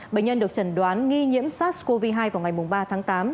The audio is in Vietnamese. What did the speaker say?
bệnh nhân được trần đoán nghi nhiễm sars cov hai vào ngày ba tháng tám